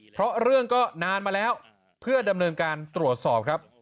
เพราะเรื่องก็นานมาแล้วเพื่อดำเนินการตรวจสอบครับ